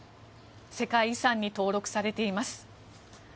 世界遺産に登録されています。